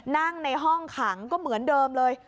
นั่งในห้องขังก็เหมือนเดิมเลย